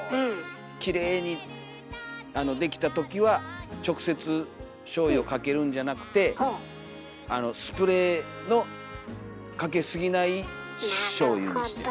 きれいにできた時は直接しょうゆをかけるんじゃなくてあのスプレーのかけすぎないしょうゆにして。